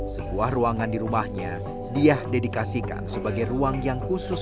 sebuah ruangan di rumahnya diah dedikasikan sebagai ruang yang khusus